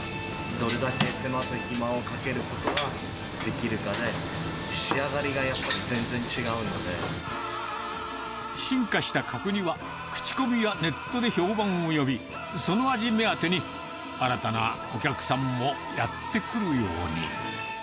どれだけ手間と暇をかけることができるかで、仕上がりがやっぱり進化した角煮は、口コミやネットで評判を呼び、その味目当てに、新たなお客さんもやって来るように。